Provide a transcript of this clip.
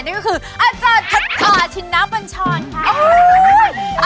นี่ก็คืออาจารย์พัทธาธินปัญชรค่ะ